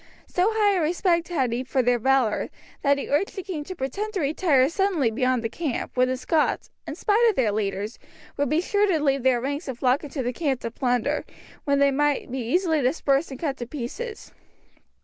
So high a respect had he for their valour, that he urged the king to pretend to retire suddenly beyond the camp, when the Scots, in spite of their leaders, would be sure to leave their ranks and flock into the camp to plunder, when they might be easily dispersed and cut to pieces.